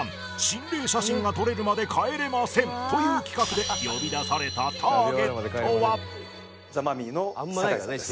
「心霊写真が撮れるまで帰れません」という企画で呼び出されたザ・マミィの酒井さんです。